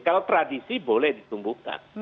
kalau tradisi boleh ditumbuhkan